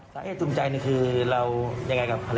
เหตุจูงใจคือเรายังไงกับภรรยา